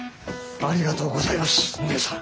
ありがとうございますお姉さん。